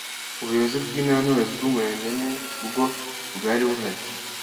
Ubuyobozi bw’intara n’ubuyobozi bw’umurenge nibwo bwari buhari